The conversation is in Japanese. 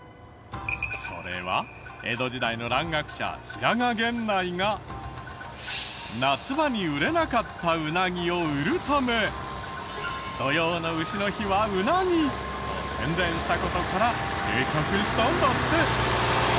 それは江戸時代の蘭学者平賀源内が夏場に売れなかったウナギを売るため土用の丑の日はウナギと宣伝した事から定着したんだって。